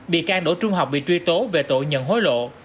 bị can đỗ trung học bị truy tố về tội nhận hối lộ